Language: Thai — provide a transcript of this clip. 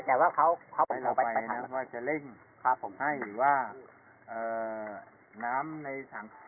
แต่ว่าเขาเราไปนะว่าจะเร่งครับผมให้ว่าน้ำในถัง